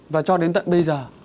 và cho đến tận bây giờ